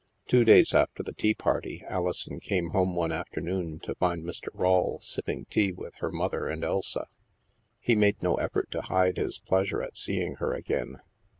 Two days after the tea party, Alison came home one afternoon to find Mr. Rawle sipping tea with her mother and Elsa. He made no effort to hide his pleasure at seeing her again.